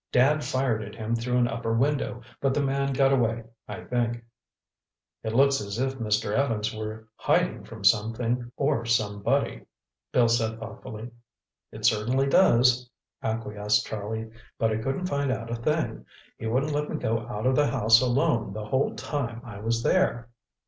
Dad fired at him through an upper window, but the man got away, I think." "It looks as if Mr. Evans were hiding from something or somebody," Bill said thoughtfully. "It certainly does," acquiesced Charlie. "But I couldn't find out a thing. He wouldn't let me go out of the house alone the whole time I was there."